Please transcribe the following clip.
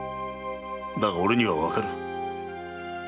だが俺にはわかる。